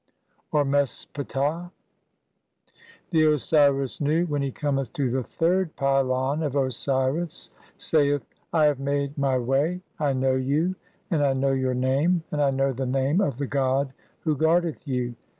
VIII. (3o) The Osiris Nu, when he cometh to the eighth pylon of Osiris, saith :— "I have made [my] (3i) way. I know you, and I know your "name, and I know the name of the god (32) who guardeth "you.